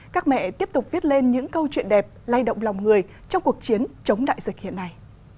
các mẹ tiếp tục viết lên những câu chuyện đẹp lay động lòng người trong cuộc chiến chống đại dịch hiện nay